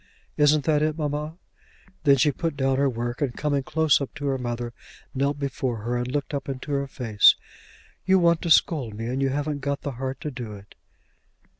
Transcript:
Isn't that it, mamma?" Then she put down her work, and coming close up to her mother, knelt before her and looked up into her face. "You want to scold me, and you haven't got the heart to do it."